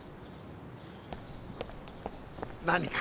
何か？